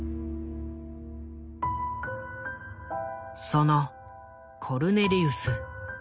そのコルネリウス。